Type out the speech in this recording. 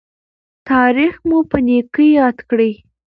تاریخ مو په نیکۍ یاد کړي.